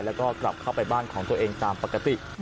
แล้วก็กลับเข้าไปบ้านของตัวเองตามปกติ